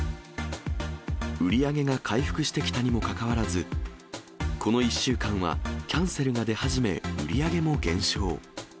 売り上げが回復してきたにもかかわらず、この１週間はキャンセルが出始め、売り上げも減少。